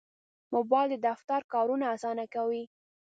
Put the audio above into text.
موبایل د دفتر کارونه اسانه کوي.